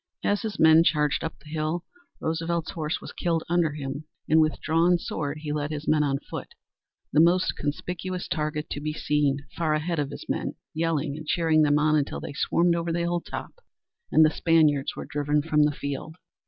As his men charged up the hill, Roosevelt's horse was killed under him, and with drawn sword he led his men on foot, the most conspicuous target to be seen, far ahead of his men, yelling and cheering them on until they swarmed over the hilltop and the Spaniards were driven from the field.